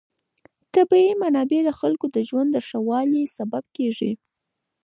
طبیعي منابع د خلکو د ژوند د ښه والي سبب کېږي.